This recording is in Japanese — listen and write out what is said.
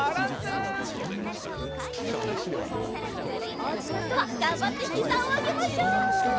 おうちのひとはがんばってひざをあげましょう。